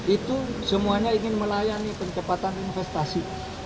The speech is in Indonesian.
itu semuanya ingin melayani pencepatan investasi